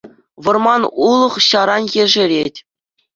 Вӑрман, улӑх-ҫаран ешерет.